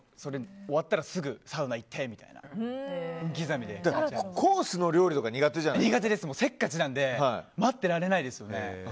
終わったらすぐにサウナに行って、みたいな。コースの料理とか苦手です、せっかちなので待ってられないですね。